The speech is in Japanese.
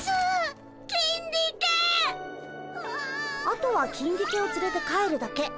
あとはキンディケをつれて帰るだけ。